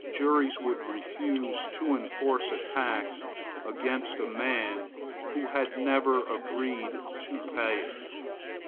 Juries would refuse to enforce a tax against a man who had never agreed to pay it.